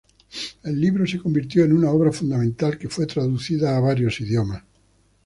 El libro se convirtió en una obra fundamental que fue traducida a varios idiomas.